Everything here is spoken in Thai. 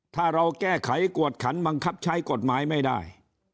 ถ้าเราแก้ไขกวดขันบังคับใช้กฎหมายไม่ได้